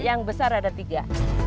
yang besar ada tiga